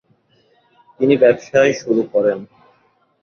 তিনি ব্যবসায় শুরু করেন।